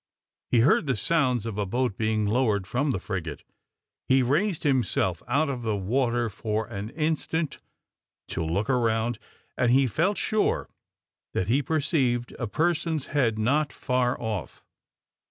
He heard the sounds of a boat being lowered from the frigate. He raised himself out of the water for an instant to look around, and he felt sure that he perceived a person's head not far off.